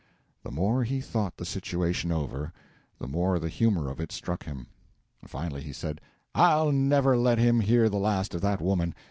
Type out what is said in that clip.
The more he thought the situation over, the more the humor of it struck him. Finally he said, "I'll never let him hear the last of that woman.